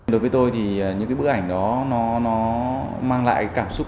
đối với tôi thì những cái bức ảnh đó nó mang lại cảm xúc